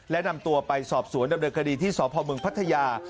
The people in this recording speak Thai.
และนำตัวไปสอบสวนดำเนินคดีที่สพมพัทยา